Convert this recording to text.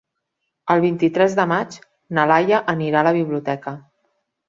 El vint-i-tres de maig na Laia anirà a la biblioteca.